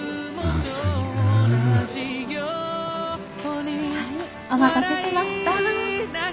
はいお待たせしました。